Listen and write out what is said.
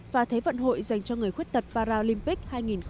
và thế vận hội dành cho người khuyết tật paralympic hai nghìn một mươi sáu